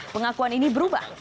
pengakuan ini berubah